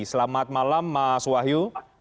selamat malam mas wahyu